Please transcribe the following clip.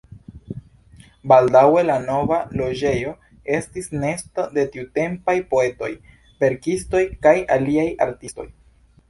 Baldaŭe la nova loĝejo estis nesto de tiutempaj poetoj, verkistoj kaj aliaj artistoj.